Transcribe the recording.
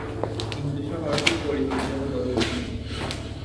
কিন্তু শহরটি পরিকল্পিতভাবে গড়ে ওঠেনি।